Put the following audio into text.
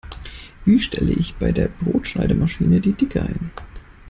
Wie stelle ich bei der Brotschneidemaschine die Dicke ein?